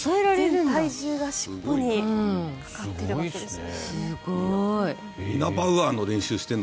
全体重が尻尾にかかっているわけですね。